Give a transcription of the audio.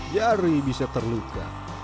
jari bisa terluka